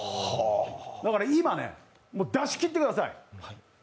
だから今、出し切ってください。